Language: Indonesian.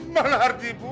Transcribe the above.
mana hardi bu